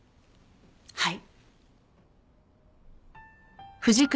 はい。